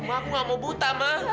ma aku nggak mau buta ma